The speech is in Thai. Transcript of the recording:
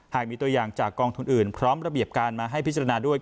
หากมีตัวอย่างจากกองทุนอื่นพร้อมระเบียบการมาให้พิจารณาด้วย